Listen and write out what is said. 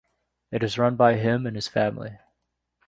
It is run by him and his family.